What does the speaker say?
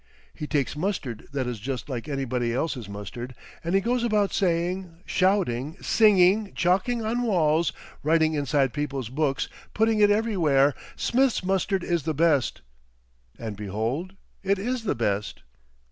He takes mustard that is just like anybody else's mustard, and he goes about saying, shouting, singing, chalking on walls, writing inside people's books, putting it everywhere, 'Smith's Mustard is the Best.' And behold it is the best!"